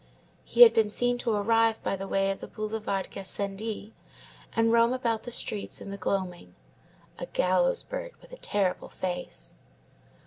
He had been seen to arrive by the way of the boulevard Gassendi and roam about the streets in the gloaming. A gallows bird with a terrible face.